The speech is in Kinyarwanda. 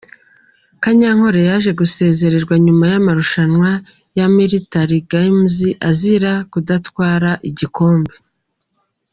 Kanyankore yaje gusezererwa nyuma y'amarushanwa ya Military Games azira kudatwara igikombe.